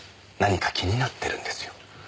何か気になってるんですよ。